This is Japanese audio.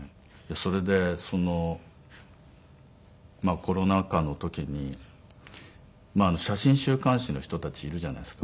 それでコロナ禍の時に写真週刊誌の人たちいるじゃないですか。